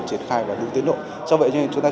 triển khai và đúng tiến độ do vậy cho nên chúng ta